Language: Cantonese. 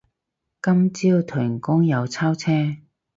今朝屯公又炒車